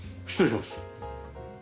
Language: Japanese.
失礼します。